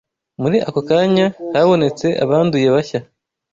Muri ako kanya, habonetse abanduye bashya